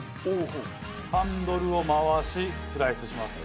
ハンドルを回しスライスします。